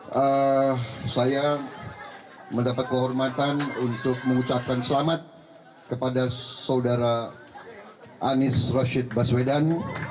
saya mendapat kehormatan untuk mengucapkan selamat kepada saudara anies rashid baswedan